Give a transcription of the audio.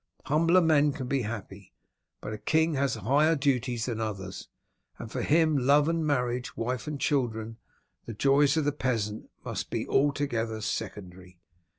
Humbler men can be happy, but a king has higher duties than others, and for him love and marriage, wife and children, the joys of the peasant, must be altogether secondary.